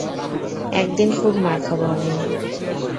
একদিন খুব মার খাবো আমি।